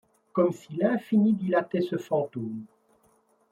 Comme si l’infini dilatait ce fantôme ;